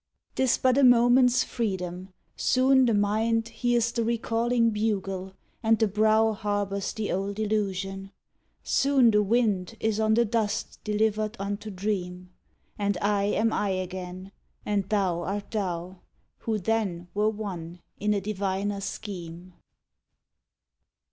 Tis but a moment s freedom : soon the mind Hears the recalling bugle, and the brow Harbors the old illusion; soon the Wind Is on the dust delivered unto dream, And I am I again, and Thou art Thou, Who then were one in a diviner Scheme.